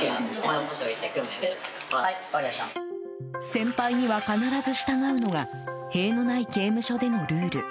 先輩には必ず従うのが塀のない刑務所でのルール。